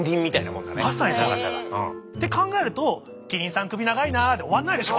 まさにそうなんです。って考えると「キリンさん首長いな」で終わらないでしょ？